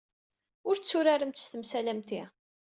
Ur tturaremt s temsal am ti.